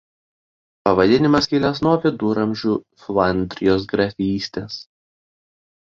Pavadinimas kilęs nuo viduramžių Flandrijos grafystės.